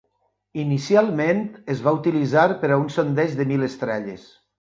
Inicialment es va utilitzar per a un sondeig de mil estrelles.